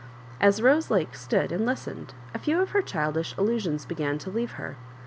As Rose Lake stood and listened, a few of her childish illusions began to leave her.